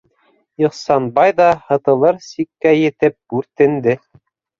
Ихсанбай ҙа һытылыр сиккә етеп бүртенде: